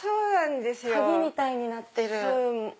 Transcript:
鍵みたいになってる。